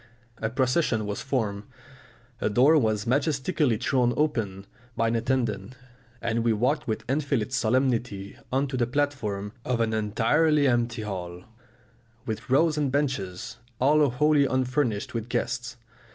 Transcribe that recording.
A procession was formed, a door was majestically thrown open by an attendant, and we walked with infinite solemnity on to the platform of an entirely empty hall, with rows of benches all wholly unfurnished with guests.